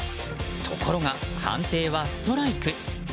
ところが判定はストライク。